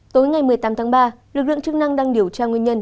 tối ngày một mươi tám tháng ba lực lượng chức năng đang điều tra nguyên nhân